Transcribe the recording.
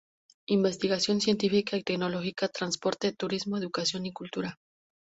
Investigación científica y tecnología, transporte, turismo, educación y cultura.